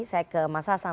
saya ke mas hasan